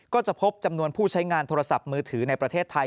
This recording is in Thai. ก็จะพบจำนวนผู้ใช้งานโทรศัพท์มือถือในประเทศไทย